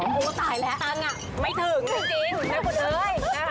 เพราะว่าตายแล้วตังค์ไม่ถึงจริงนะคุณเอ้ย